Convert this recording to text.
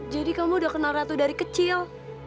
jadi kamu udah kenal ratu dari kecil